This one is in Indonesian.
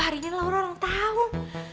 gak ada yang ingin lora orang tahun